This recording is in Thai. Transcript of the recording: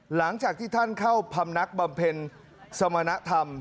หลังจากที่ท่านเข้าพำนักบำเพ็ญสมณธรรม